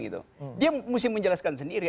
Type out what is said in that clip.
dia mesti menjelaskan sendiri